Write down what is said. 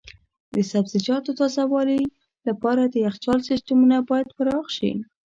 د سبزیجاتو تازه والي لپاره د یخچال سیستمونه باید پراخ شي.